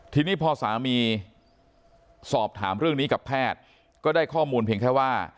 ทีนี้พอสามีสอบถามเรื่องนี้กับแพทย์ก็ได้ข้อมูลเพียงแค่ว่า